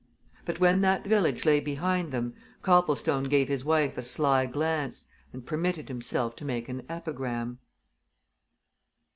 But when that village lay behind them, Copplestone gave his wife a sly glance, and permitted himself to make an epigram.